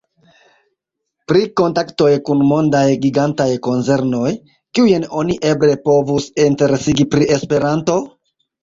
Pri kontaktoj kun mondaj gigantaj konzernoj, kiujn oni eble povus interesigi pri Esperanto?